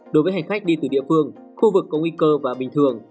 đối với hành khách đi từ địa phương khu vực có nguy cơ và bình thường